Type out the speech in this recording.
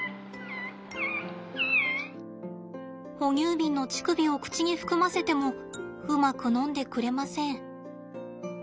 哺乳瓶の乳首を口に含ませてもうまく飲んでくれません。